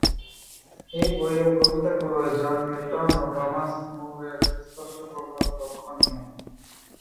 এই বইয়ের কবিতাগুলোয় জন মিল্টন ও টমাস মুর-এর সুস্পষ্ট প্রভাব লক্ষণীয়।